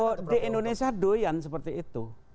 kalau di indonesia doyan seperti itu